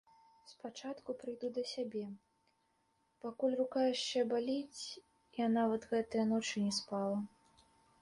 Спачатку прыйду да сябе, пакуль рука яшчэ баліць, я нават гэтыя ночы не спала.